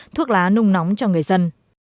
thuốc lá nung nóng cho người dân